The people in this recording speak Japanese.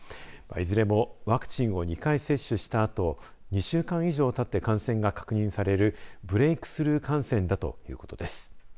いずれもワクチンを２回接種したあと２週間以上たって感染が確認されるブレイクスルー感染だということです。